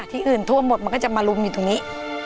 ที่อื่นทั่วหมดมันก็จะมาลุมอยู่ตรงนี้